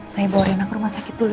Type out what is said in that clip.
saya bawa reina ke rumah sakit dulu ya